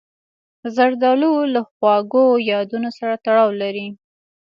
زردالو له خواږو یادونو سره تړاو لري.